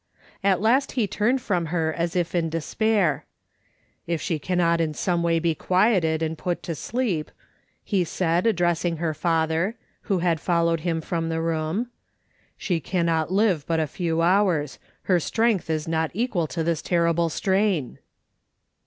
At last he turned from her as if in despair :" If she cannot in some way be quieted and put to sleep/' he said, addressing her father, who had followed him from the room, " she cannot live but a few hours. Her strength is not equal to this terrible strain."